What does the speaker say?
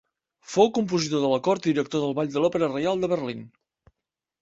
Fou compositor de la cort i director de ball de l'Òpera Reial de Berlín.